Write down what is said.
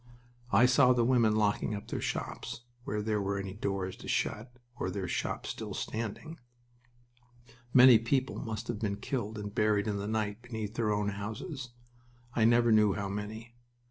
I saw the women locking up their shops where there were any doors to shut or their shop still standing. Many people must have been killed and buried in the night beneath their own houses I never knew how many.